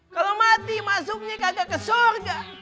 kalau mati masuknya kagak ke surga